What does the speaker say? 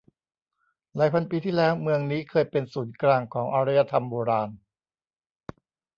หลายพันปีที่แล้วเมืองนี้เคยเป็นศูนย์กลางของอารยธรรมโบราณ